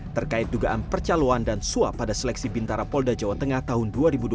terkait dugaan percaloan dan suap pada seleksi bintara polda jawa tengah tahun dua ribu dua puluh